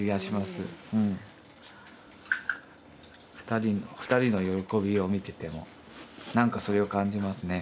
２人の２人の喜びを見ててもなんかそれを感じますね。